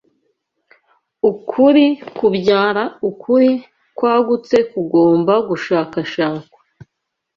Ukuri kubyara ukuri kwagutse kugomba gushakwashakwa